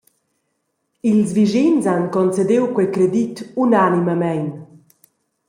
Ils vischins han concediu quei credit unanimamein.